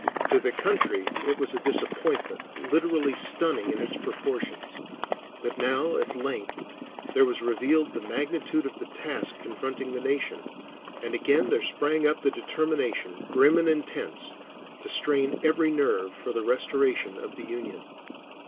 To the country it was a disappointment literally stunning in its proportions; but now at length there was revealed the magnitude of the task confronting the nation, and again there sprang up the determination, grim and intense, to strain every nerve for the restoration of the Union.